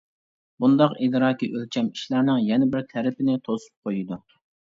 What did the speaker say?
بۇنداق ئىدراكىي ئۆلچەم ئىشلارنىڭ يەنە بىر تەرىپىنى توسۇپ قويىدۇ.